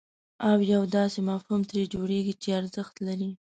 او یو داسې مفهوم ترې جوړوئ چې ارزښت لري.